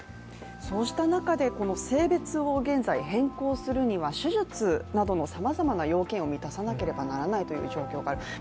そうした中で、性別を現在変更するには手術などのさまざまな要件を満たさなければならないという条件がある。